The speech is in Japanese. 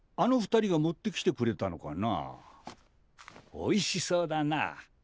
おいしそうだな。